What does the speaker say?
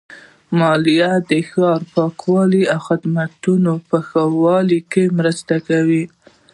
مالیه د ښار د پاکوالي او خدماتو په ښه والي کې مرسته کوي.